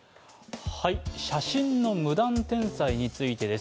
写真の無断転載についてです。